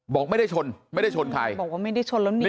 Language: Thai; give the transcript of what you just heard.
บอกไม่ได้ชนไม่ได้ชนใครบอกว่าไม่ได้ชนแล้วหนี